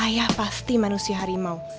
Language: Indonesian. ku pasti manusia harimau